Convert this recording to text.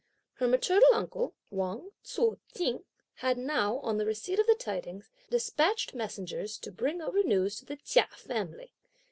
Her maternal uncle, Wang Tzu t'eng, had now, on the receipt of the tidings, despatched messengers to bring over the news to the Chia family.